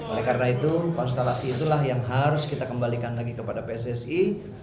oleh karena itu konstelasi itulah yang harus kita kembalikan lagi kepada pssi